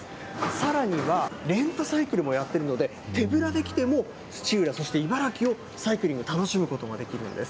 さらには、レンタサイクルもやってるので、手ぶらできても、土浦、そして茨城をサイクリングを楽しむこともできるんです。